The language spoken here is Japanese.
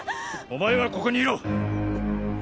お前はここにいろ！